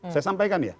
saya sampaikan ya